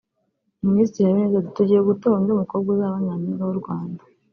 Minisitiri Habineza ati “Tugiye gutora undi mukobwa uzaba Nyampinga w’u Rwanda